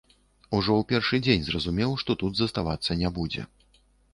Ужо ў першы дзень зразумеў, што тут заставацца не будзе.